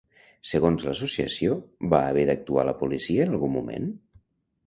Segons l'associació, va haver d'actuar la policia en algun moment?